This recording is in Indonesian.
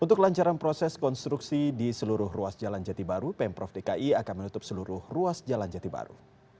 untuk lancaran proses konstruksi di seluruh ruas jalan jati baru pemprov dki akan menutup seluruh ruas jalan jati baru